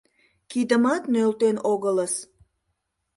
Кидымат нӧлтен огылыс...